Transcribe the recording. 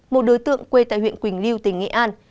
một đối tượng quê tại huyện quỳnh lưu tỉnh nghệ an